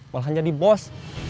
malah jadi bos